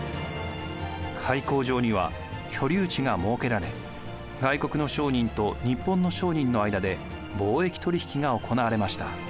開港場には居留地が設けられ外国の商人と日本の商人の間で貿易取引が行われました。